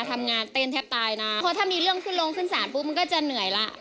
ทำงานเต้นแทบตายนะเพราะถ้ามีเรื่องขึ้นลงขึ้นศาลปุ๊บมันก็จะเหนื่อยละ